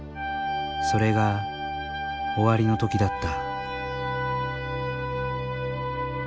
それが終わりのときだった。